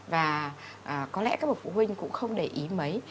và có lẽ các bậc phụ huynh cũng không để ý mấy